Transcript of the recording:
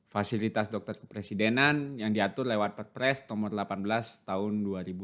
fasilitas dokter kepresidenan yang diatur lewat perpres nomor delapan belas tahun dua ribu dua puluh